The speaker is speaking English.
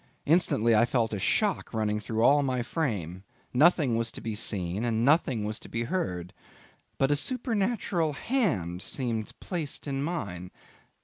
Instantly I felt a shock running through all my frame; nothing was to be seen, and nothing was to be heard; but a supernatural hand seemed placed in mine.